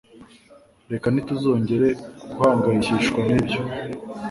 Reka ntituzongere guhangayikishwa nibyo